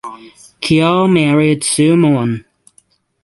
Kyaw married Su Mon.